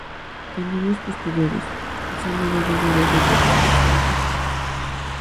En años posteriores, se han hallado varios otros especímenes.